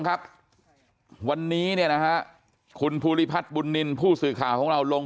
ครับวันนี้เนี่ยนะฮะคุณภูริพัฒน์บุญนินทร์ผู้สื่อข่าวของเราลง